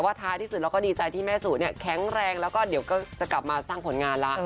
แต่ว่าท้ายที่สุดเราก็ดีใจที่แม่สูตรเนี่ยแข็งแรงก็ต้องสร้างผลงานละ